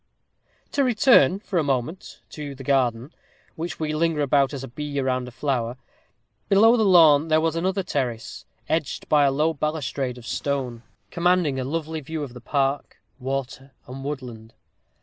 To return, for a moment, to the garden, which we linger about as a bee around a flower. Below the lawn there was another terrace, edged by a low balustrade of stone, commanding a lovely view of park, water, and woodland.